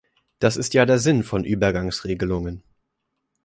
Das ist ja der Sinn von Übergangsregelungen.